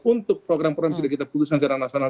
untuk program program yang sudah kita putuskan secara nasional